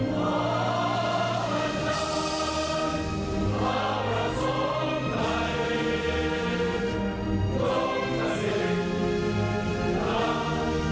มหันตันพระพระสมไทยต้องกระลิ่นทาง